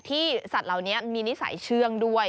สัตว์เหล่านี้มีนิสัยเชื่องด้วย